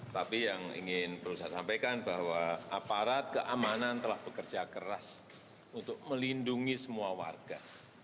tapi yang ingin perlu saya sampaikan bahwa aparat keamanan telah bekerja keras untuk melindungi semua warga